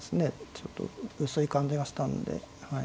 ちょっと薄い感じがしたんではい。